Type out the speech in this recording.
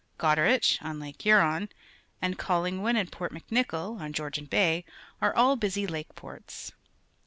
Goderich, on Lake Huron, and Collingrvood and Port McNicoll, on Georgian Bay, are all busy lake ports.